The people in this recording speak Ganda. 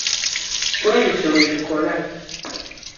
Bwe bityo bwe bikola.